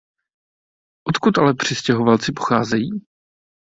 Odkud ale přistěhovalci pocházejí?